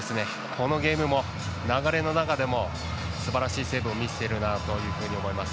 このゲームも流れの中でもすばらしいセーブを見せているなというふうに思います。